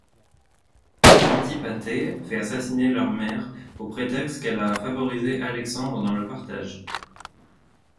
Antipater fait assassiner leur mère au prétexte qu'elle a favorisé Alexandre dans le partage.